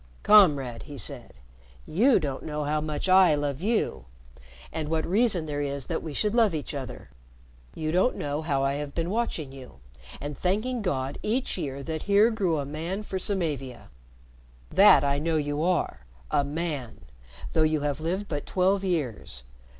"Comrade," he said, "you don't know how much I love you and what reason there is that we should love each other! You don't know how I have been watching you, and thanking God each year that here grew a man for Samavia. That I know you are a man, though you have lived but twelve years.